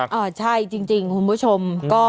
เออใช่จริงคุณผู้ชม